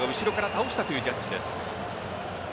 カゼミーロが後ろから倒したというジャッジです。